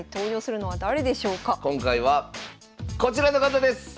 今回はこちらの方です！